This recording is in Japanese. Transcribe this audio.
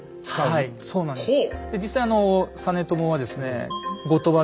はいそうなんです。